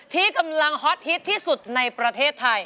ที่กำลังฮอตฮิตที่สุดในประเทศไทย